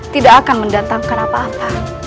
tidak akan mendatangkan apa apa